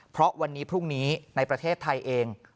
เพราะวันนี้พรุ่งนี้ในประเทศไทยเอง